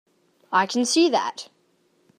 I can see that.